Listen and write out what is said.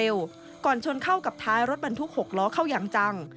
ก่อนชนเข้ากับท้ายรถบรรทุก๖ล้อเข้าอย่างจัง